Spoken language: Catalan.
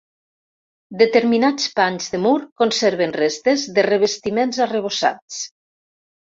Determinats panys de mur conserven restes de revestiments arrebossats.